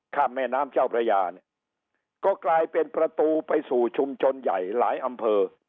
แม่น้ำเจ้าพระยาเนี่ยก็กลายเป็นประตูไปสู่ชุมชนใหญ่หลายอำเภอ